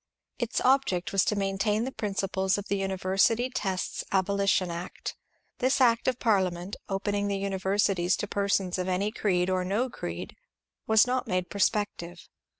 Its object was to maintain the prin ciples of the University Tests Abolition Act. This act of Parliament, opening the universities to persons of any creed or no creed, was not made prospective.